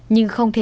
nhưng không thể